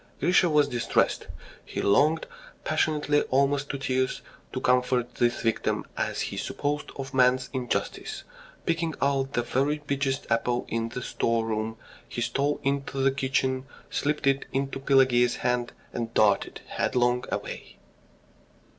Grisha was distressed. He longed passionately, almost to tears, to comfort this victim, as he supposed, of man's injustice. Picking out the very biggest apple in the store room he stole into the kitchen, slipped it into Pelageya's hand, and darted headlong away.